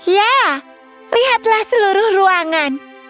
ya lihatlah seluruh ruangan